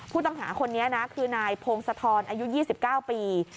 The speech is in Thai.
ผู้ต้องหาคนนี้นะคือนายพงศธรอายุ๒๙ปี